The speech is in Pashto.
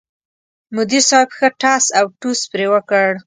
مدیر صاحب ښه ټس اوټوس پرې وکړ.